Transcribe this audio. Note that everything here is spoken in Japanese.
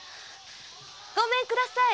ごめんください。